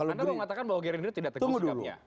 anda mengatakan bahwa gerindra tidak teguh sikapnya